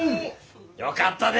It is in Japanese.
よかったで！